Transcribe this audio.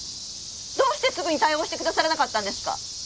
どうしてすぐに対応してくださらなかったんですか？